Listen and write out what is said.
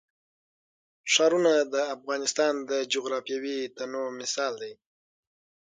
ښارونه د افغانستان د جغرافیوي تنوع مثال دی.